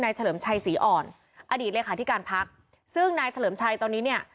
เฉลิมชัยศรีอ่อนอดีตเลขาธิการพักซึ่งนายเฉลิมชัยตอนนี้เนี่ย